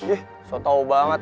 ih so tau banget